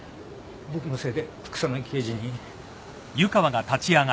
僕のせいで草薙刑事に。